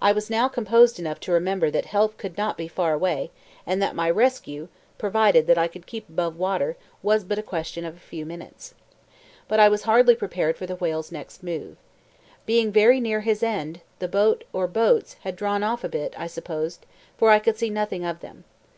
I was now composed enough to remember that help could not be far away, and that my rescue, providing that I could keep above water, was but a question of a few minutes. But I was hardly prepared for the whale's next move. Being very near his end, the boat, or boats, had drawn off a bit, I supposed, for I could see nothing of them.